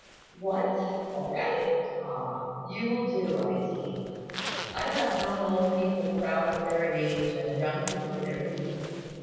"What, already? Ah! You will do, I see. I have known old people proud of their age, and young people of their youth.